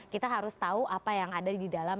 kita harus tahu apa yang ada di dalam